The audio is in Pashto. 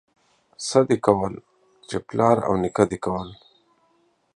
څه دي کول، چې پلار او نيکه دي کول.